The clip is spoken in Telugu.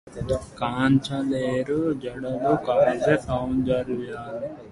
కాంచలేరు జడులు కావ్య సౌందర్యంబు